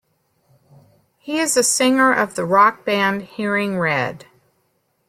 He is a singer of the rock band Hearing Red.